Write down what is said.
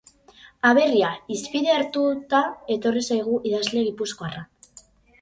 Aberria hizpide hartuta etorri zaigu idazle gipuzkoarra.